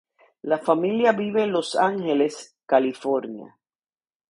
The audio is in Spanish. La familia vive en Los Angeles, California.